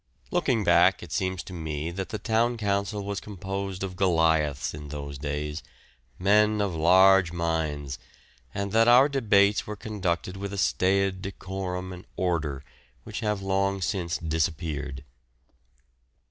Looking back it seems to me that the Town Council was composed of Goliaths in those days, men of large minds, and that our debates were conducted with a staid decorum and order which have long since disappeared.